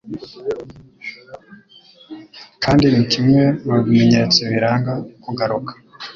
kandi ni kimwe mu bimenyetso biranga kugaruka